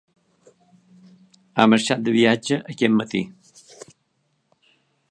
Ha marxat de viatge aquest matí.